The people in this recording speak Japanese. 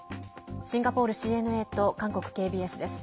シンガポールＣＮＡと韓国ＫＢＳです。